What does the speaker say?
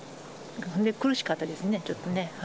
苦しかったですね、ちょっとね。